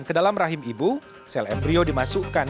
ke dalam rahim ibu sel embryo dimasukkan